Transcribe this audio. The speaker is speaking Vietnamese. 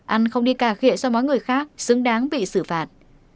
ăn không đi cà khệ so với mọi người khác xứng đáng bị xử phạt